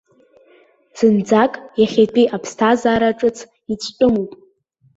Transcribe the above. Зынӡак иахьатәи аԥсҭазаара ҿыц ицәтәымуп.